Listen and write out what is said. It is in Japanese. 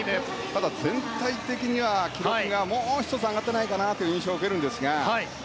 ただ全体的に記録がもうひとつ上がっていないという印象を受けるんですが。